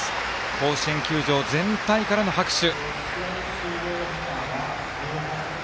甲子園球場全体からの拍手。